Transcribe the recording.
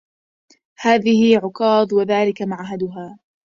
هذي عكاظ وذاك معهدها